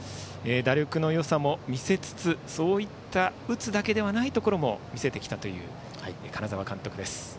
打力のよさも見せつつそういった打つだけではないところも見せてきたという金沢監督です。